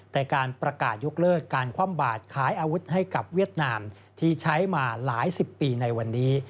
แต่การประกาศยกเลิกการคว่ำบาดขายอาวุธให้กับเวียดนามที่ใช้มาหลายสิบปีในวันนี้